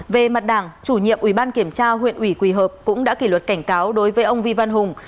về mặt đảng chủ nhiệm ubnd huyện quỳ hợp cũng đã kỷ luật cảnh cáo đối với ông vi văn hùng